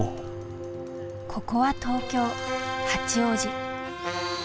ここは東京・八王子。